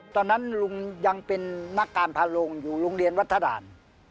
ตอนนั้นลุงยังเป็นนักการพาลงอยู่โรงเรียนวัฒนาน